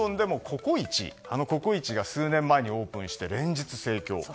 ココイチが数年前にオープンして連日盛況。